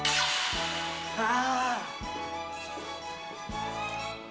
ああ。